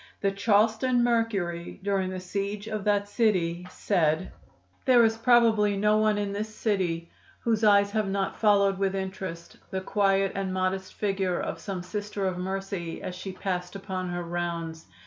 The Charleston Mercury, during the siege of that city, said: "There is probably no one in this city whose eyes have not followed with interest the quiet and modest figure of some Sister of Mercy as she passed upon her rounds.